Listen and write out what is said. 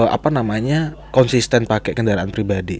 apa namanya konsisten pakai kendaraan pribadi